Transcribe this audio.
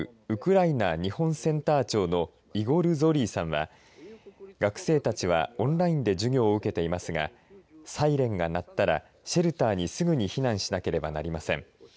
ウクライナ日本センター長のイゴル・ゾリーさんは学生たちはオンラインで授業を受けていますがサイレンが鳴ったらシェルターにすぐに避難しなければなりません。